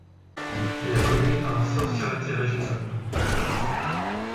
La commune a un fort caractère agricole.